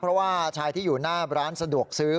เพราะว่าชายที่อยู่หน้าร้านสะดวกซื้อ